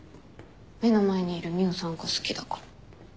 目の前にいる海音さんが好きだから。